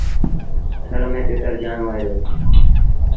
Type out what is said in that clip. ٿر ميݩ تتر جآم هوئي دو۔